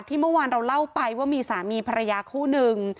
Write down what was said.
เมื่อวานเราเล่าไปว่ามีสามีภรรยาคู่นึง